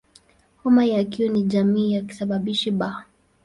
Homa ya Q ni jamii ya kisababishi "B".